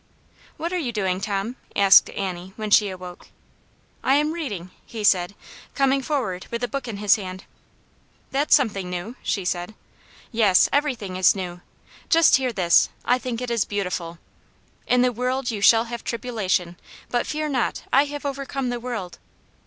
" What are you doing, Tom }" asked Annie, when she awoke. " I am reading," he said, coming forward with a book in his hand. Aunt yane's Hero. 2ii " That's something new," she said. " Yes, everything is new. Just hear this : I think it is beautiful. * In the world you shall have tribula tion, but fear not, I have overcome the world.'